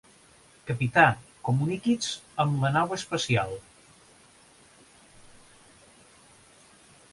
Capità, comuniqui's amb la nau espacial.